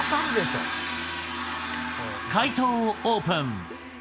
解答をオープン。